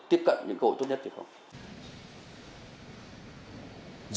tiếp cận những cơ hội tốt nhất hay không